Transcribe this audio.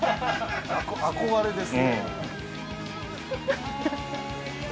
憧れです。